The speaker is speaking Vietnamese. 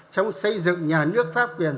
trong xây dựng nhà nước pháp quyền